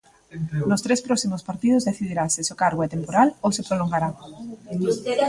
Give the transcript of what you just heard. Nos tres próximos partidos decidirase se o seu cargo é temporal ou se prolongará.